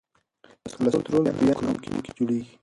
کلسترول په ینه او کولمو کې جوړېږي.